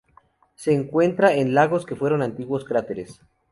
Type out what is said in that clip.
Se encuentra lagos que fueron antiguos cráteres.